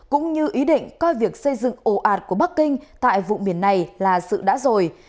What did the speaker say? cũng như ý định coi việc xây dựng ồ ạt của bắc kinh tại vùng biển này là sự đã rồi